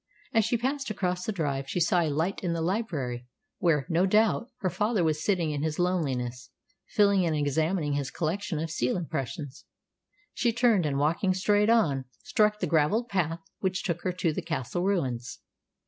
As she passed across the drive she saw a light in the library, where, no doubt, her father was sitting in his loneliness, feeling and examining his collection of seal impressions. She turned, and, walking straight on, struck the gravelled path which took her to the castle ruins.